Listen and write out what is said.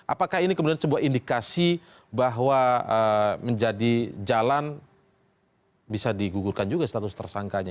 apakah ini kemudian sebuah indikasi bahwa menjadi jalan bisa digugurkan juga status tersangkanya